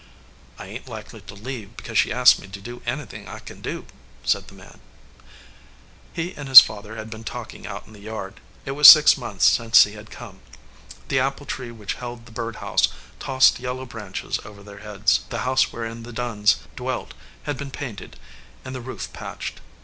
"I ain t likely to leave because she asks me to do anythin I kin do," said the man, 311 EDGEWATER PEOPLE He and his father had been talking out in the yard. It was six months since he had come. The apple tree which held the bird house tossed yellow branches over their heads. The house wherein the Dunns dwelt had been painted, and the roof patched.